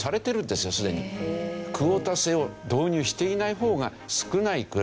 クオータ制を導入していない方が少ないくらい。